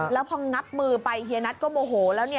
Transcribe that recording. แล้วพองับมือไปเฮียนัทก็โมโหแล้ว